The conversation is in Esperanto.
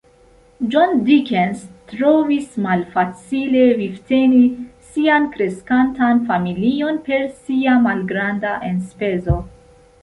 John Dickens trovis malfacile vivteni sian kreskantan familion per sia malgranda enspezo.